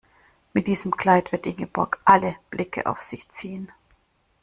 Mit diesem Kleid wird Ingeborg alle Blicke auf sich ziehen.